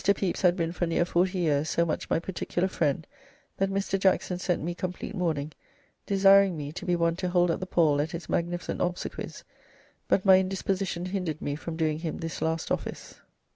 Pepys had been for neere 40 yeeres so much my particular friend that Mr. Jackson sent me compleat mourning, desiring me to be one to hold up the pall at his magnificent obsequies, but my indisposition hinder'd me from doing him this last office."